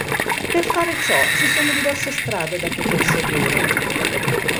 Per fare ciò ci sono diverse strade da poter seguire.